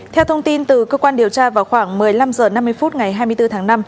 theo thông tin từ cơ quan điều tra vào khoảng một mươi năm h năm mươi phút ngày hai mươi bốn tháng năm